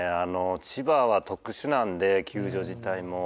千葉は特殊なんで球場自体も。